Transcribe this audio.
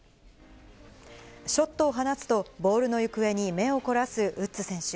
ショットを放つと、ボールの行方に目を凝らすウッズ選手。